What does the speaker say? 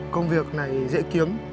công việc này dễ kiếm